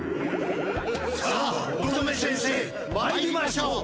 さあ乙女先生まいりましょう。